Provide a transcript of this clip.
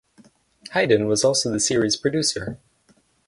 Hayden was also the series’ producer.